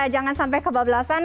jangan sampai kebablasan